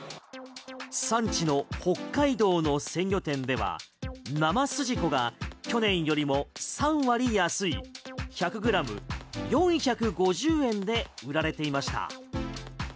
産地の北海道の鮮魚店では生すじこが去年よりも３割安い１００ｇ４５０円で売られていました。